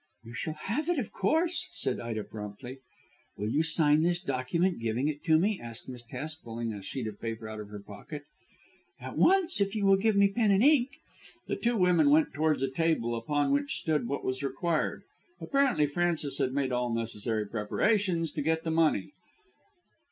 "You shall have it, of course,' said Ida promptly. "Will you sign this document giving it to me?" asked Miss Hest pulling a sheet of paper out of her pocket. "At once, if you will give me pen and ink." The two women went towards a table upon which stood what was required. Apparently Frances had made all necessary preparations to get the money.